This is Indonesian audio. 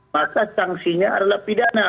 maka sangsinya adalah pidana